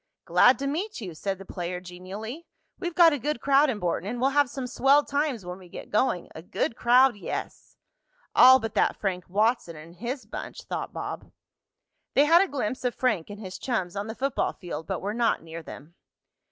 "Glad to meet you," said the player genially. "We've got a good crowd in Borton, and we'll have some swell times when we get going. A good crowd, yes!" "All but that Frank Watson and his bunch," thought Bob. They had a glimpse of Frank and his chums on the football field, but were not near them.